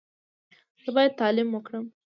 زه باید تعلیم وکړم.